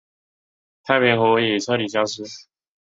太平湖已彻底消失。